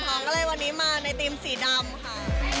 ก็เลยวันนี้มาในธีมสีดำค่ะ